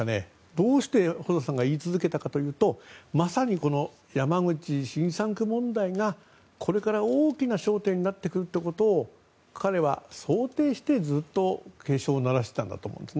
どうして言い続けたかというとまさに山口新３区問題がこれから大きな焦点になってくることを彼は、想定してずっと警鐘を鳴らしていたんだと思います。